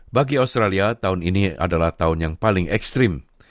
bagi australia tahun ini adalah tahun yang paling ekstrim